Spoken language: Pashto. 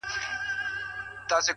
حقیقت تل پاتې وي’